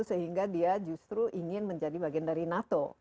sehingga dia justru ingin menjadi bagian dari nato